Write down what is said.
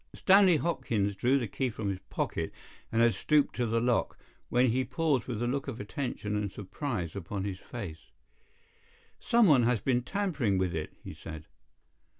Stanley Hopkins drew the key from his pocket and had stooped to the lock, when he paused with a look of attention and surprise upon his face. "Someone has been tampering with it," he said.